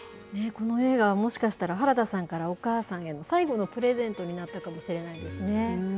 この映画はもしかしたら、原田さんからお母さんへの最後のプレゼントになったかもしれないですね。